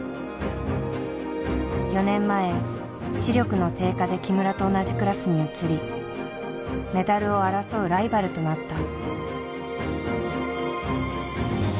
４年前視力の低下で木村と同じクラスに移りメダルを争うライバルとなった。